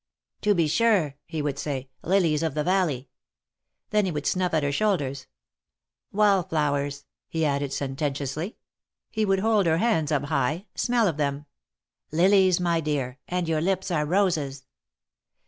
"To be sure," he would say, "lilies of the valley." Then he would snuff at her shoulders. " Wall flowers !" he added, sententiously. He would hold her hands up high — smell of them. "Lilies, my dear, and your lips are roses."